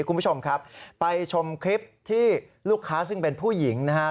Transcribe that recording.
คุณผู้ชมครับไปชมคลิปที่ลูกค้าซึ่งเป็นผู้หญิงนะฮะ